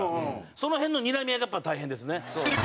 その辺のにらみ合いがやっぱ大変ですね。